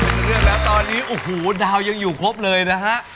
ซึ่งตอนนี้ดาวยังอยู่ครบเลยนะฮะ